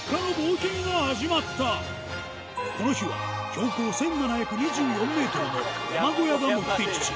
この日は標高１７２４ｍの山小屋が目的地